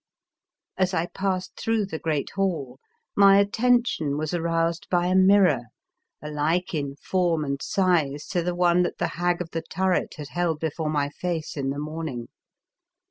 As I passed through the great hall my attention was aroused by a mirror, alike in form and size to the one that the Hag 'of the Turret had held before my face in the morning.